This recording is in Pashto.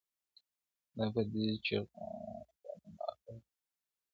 دا په دې چي غنم عقل ته تاوان دئ -